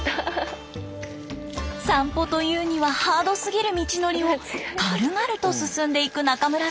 散歩というにはハードすぎる道のりを軽々と進んでいく中村さん。